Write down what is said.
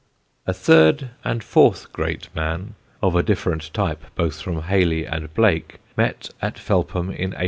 A third and fourth great man, of a different type both from Hayley and Blake, met at Felpham in 1819.